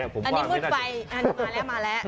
อันนี้มืดไปอันนี้มาแล้ว